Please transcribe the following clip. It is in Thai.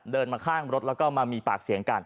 เดินมาข้างรถแล้วก็มามีปากเสียงกัน